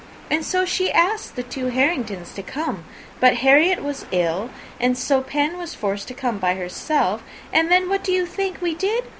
and so she asked the two Harringtons to come: but Harriet was ill, and so Pen was forced to come by herself; and then, what do you think we did?